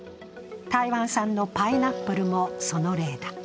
台湾産のパイナップルもその例だ。